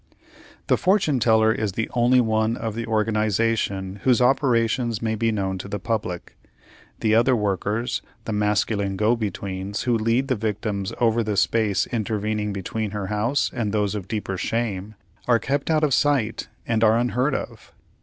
The fortune teller is the only one of the organization whose operations may be known to the public; the other workers—the masculine go betweens who lead the victims over the space intervening between her house and those of deeper shame—are kept out of sight and are unheard of.